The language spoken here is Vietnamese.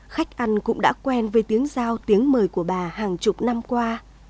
khách ăn cũng đã quen với tiếng giao tiếng mời của bà hàng chục năm qua